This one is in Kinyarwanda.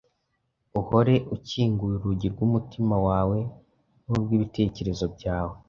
uhore ukinguye urugi rw’umutima wawe n’urw’ibitekerezo byawe